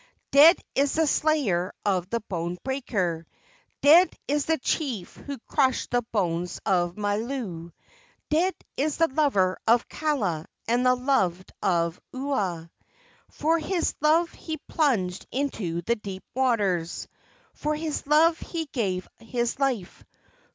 Dead is the slayer of the bone breaker; Dead is the chief who crushed the bones of Mailou; Dead is the lover of Kaala and the loved of Ua. For his love he plunged into the deep waters; For his love he gave his life.